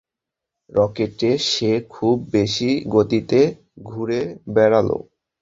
রকেটে সে খুব বেশি গতিতে ঘুরে বেড়াল।